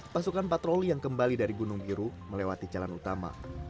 pasukan patroli yang kembali dari gunung biru melewati jalan utama